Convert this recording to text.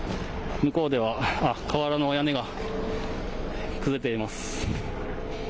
向こうでは瓦の屋根が崩れています。